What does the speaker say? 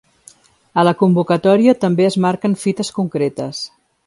A la convocatòria també es marquen fites concretes.